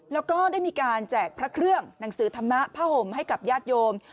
แล้วก็ได้มีการแจกพระเครื่องหนังสือธรรมะผ้าห่มให้กับญาติโยม